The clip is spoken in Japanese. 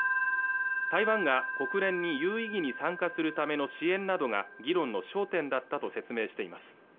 台湾が国連に有意義に参加するための支援などが議論の焦点だったと説明しています